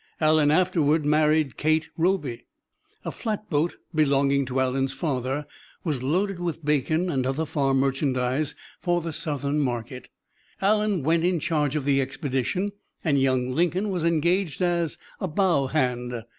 Allen afterward married Kate Roby. A flatboat belonging to Allen's father was loaded with bacon and other farm merchandise for the southern market. Allen went in charge of the expedition, and young Lincoln was engaged as "bow hand."